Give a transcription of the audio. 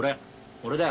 俺だよ。